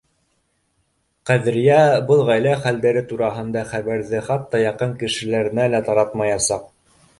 Ҡәҙриә был ғаилә хәлдәре тураһындағы хәбәрҙе хатта яҡын кешеләренә лә таратмаясаҡ